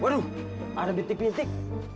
waduh ada bintik bintik